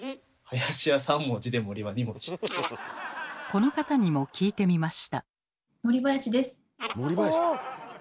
この方にも聞いてみました。